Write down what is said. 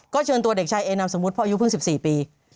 ก็เชิญตัวเด็กชายเอนามสมุทรพออายุเพิ่ง๑๔ปี